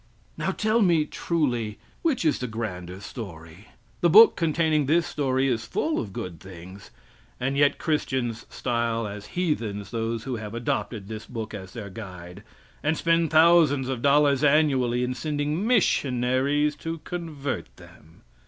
Now, tell me truly, which is the grander story? The book containing this story is full of good things; and yet Christians style as heathens those who have adopted this book as their guide, and spend thousands of dollars annually in sending missionaries to convert them!